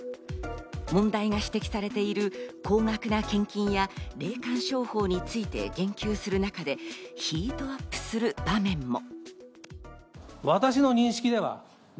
問題が指摘されている高額な献金や霊感商法について言及する中でヒートアップする場面も。